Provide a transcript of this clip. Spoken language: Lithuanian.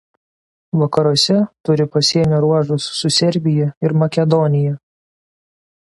Vakaruose turi pasienio ruožus su Serbija ir Makedonija.